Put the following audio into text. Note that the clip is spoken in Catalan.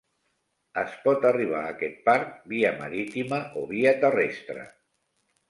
Es pot arribar a aquest parc via marítima o via terrestre.